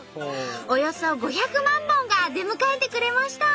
およそ５００万本が出迎えてくれました。